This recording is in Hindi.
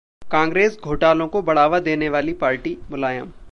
कांग्रेस घोटालों को बढ़ावा देने वाली पार्टी: मुलायम